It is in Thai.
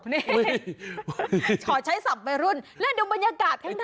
นี่ขอใช้ศัพท์ไปรุ่นแล้วดูบรรยากาศข้างใน